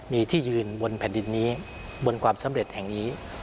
มีที่ยืนบนแผ่นดินนี้บนความสำเร็จแห่งนี้